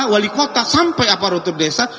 wali kota sampai aparatur desa